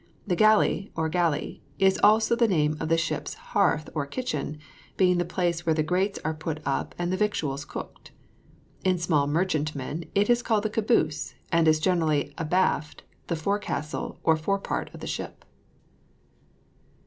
The galley or gally is also the name of the ship's hearth or kitchen, being the place where the grates are put up and the victuals cooked. In small merchantmen it is called the caboose; and is generally abaft the forecastle or fore part of the ship.